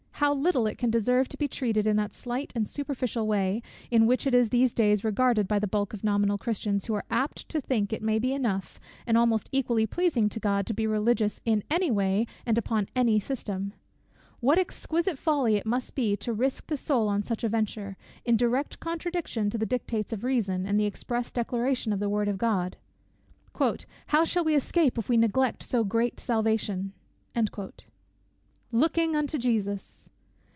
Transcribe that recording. How little it can deserve to be treated in that slight and superficial way, in which it is in these days regarded by the bulk of nominal Christians, who are apt to think it may be enough, and almost equally pleasing to God, to be religious in any way, and upon any system. What exquisite folly it must be to risk the soul on such a venture, in direct contradiction to the dictates of reason, and the express declaration of the word of God! "How shall we escape, if we neglect so great salvation?" LOOKING UNTO JESUS!